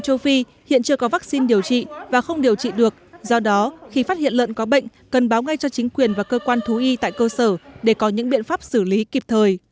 các hộ chăn nuôi nếu phát hiện lợn bệnh cần báo ngay cho chính quyền và cơ sở để có những thông tin